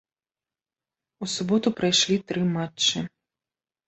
У суботу прайшлі тры матчы.